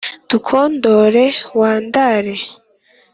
Tukwondore wandare